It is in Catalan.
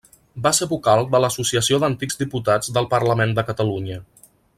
Va ser vocal de l'Associació d'Antics Diputats del Parlament de Catalunya.